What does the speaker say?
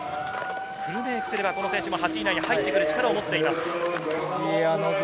フルメイクすれば、この選手も８位以内に入ってくる力を持っています。